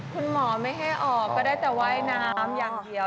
คุณหมอไม่ให้ออกก็ได้แต่ว่ายน้ำอย่างเดียว